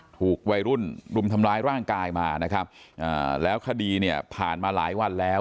ถูกวัยรุ่นรุมทำร้ายร่างกายมานะครับอ่าแล้วคดีเนี่ยผ่านมาหลายวันแล้ว